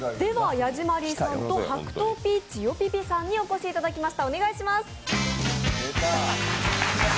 ヤジマリーさんと白桃ピーチよぴぴさんにお越しいただきました。